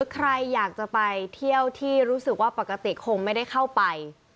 ใครอยากจะไปเที่ยวที่รู้สึกว่าปกติคงไม่ได้เข้าไป